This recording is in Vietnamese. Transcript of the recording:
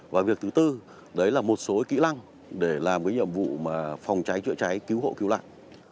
và việc thứ bốn đấy là một số kỹ lăng để làm những nhiệm vụ phòng cháy chữa cháy cứu hộ cứu lạc